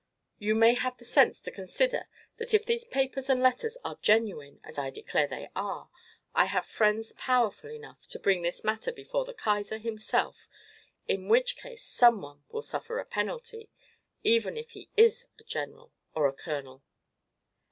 You may have the sense to consider that if these papers and letters are genuine, as I declare they are, I have friends powerful enough to bring this matter before the Kaiser himself, in which case someone will suffer a penalty, even if he is a general or a colonel."